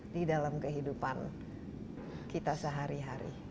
di dalam kehidupan kita sehari hari